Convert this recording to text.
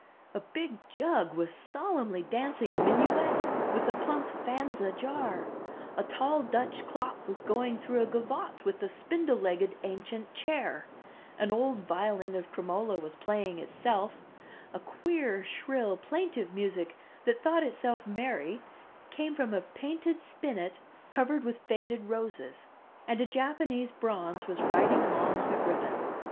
A big jug was solemnly dancing a minuet with a plump Faenza jar; a tall dutch clock was going through a gavotte with a spindle legged ancient chair; an old violin of Cremona was playing itself; a queer shrill plaintive music that thought itself merry came from a painted spinnet covered with faded roses, and a Japanese bronze was riding along on a griffin.